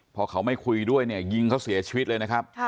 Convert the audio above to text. พอเขาไม่คุยด้วยเนี่ยยิงเขาเสียชีวิตเลยนะครับ